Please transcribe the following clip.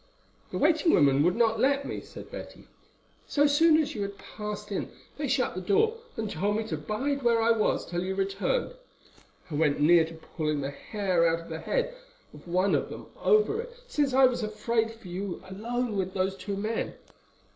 "The waiting women would not let me," said Betty. "So soon as you had passed in they shut the door and told me to bide where I was till you returned. I went near to pulling the hair out of the head of one of them over it, since I was afraid for you alone with those two men.